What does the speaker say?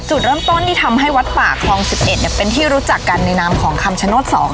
สูตรเริ่มต้นที่ทำให้วัดป่าคลองสิบเอ็ดเนี่ยเป็นที่รู้จักกันในนามของคำชะโนธสอง